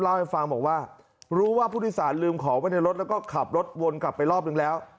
เล่าให้ฟังบอกว่ารู้ว่าผู้โดยสารลืมของไว้ในรถแล้วก็ขับรถวนกลับไปรอบนึงแล้ว